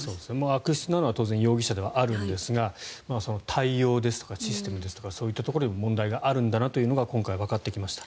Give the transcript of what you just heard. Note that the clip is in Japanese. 悪質なのは当然、容疑者ではあるんですが対応ですとかシステムですとかそういうところに問題があるんだなというのが今回わかってきました。